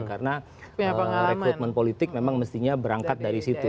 karena rekrutmen politik memang mestinya berangkat dari situ